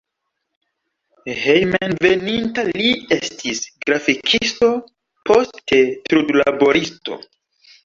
Hejmenveninta li estis grafikisto, poste trudlaboristo.